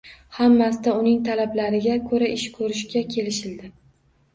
Hammasida uning talablariga ko`ra ish ko`rishga kelishildi